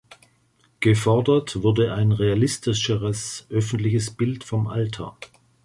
Gefordert wurde ein realistischeres öffentliches Bild vom Alter.